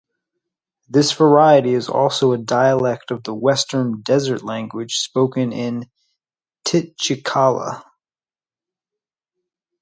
This variety is also a dialect of the Western Desert Language spoken in Titjikala.